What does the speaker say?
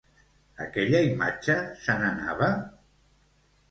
Aquella imatge se n'anava?